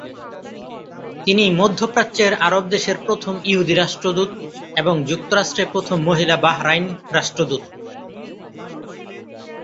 তিনি মধ্যপ্রাচ্যের আরব দেশের প্রথম ইহুদি রাষ্ট্রদূত, এবং যুক্তরাষ্ট্রে প্রথম মহিলা বাহরাইন রাষ্ট্রদূত।